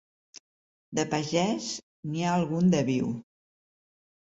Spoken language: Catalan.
De pagès, n'hi ha algun de viu.